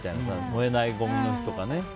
燃えないごみの日とかね。